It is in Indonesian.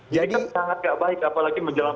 jadi sangat gak baik apalagi menjalankan